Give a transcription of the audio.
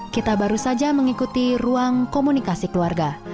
kita baru saja mengikuti ruang komunikasi keluarga